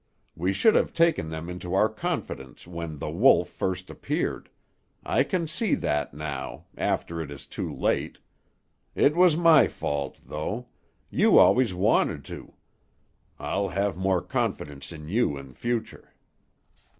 We should have taken them into our confidence when The Wolf first appeared; I can see that now, after it is too late. It was my fault, though; you always wanted to. I'll have more confidence in you in future."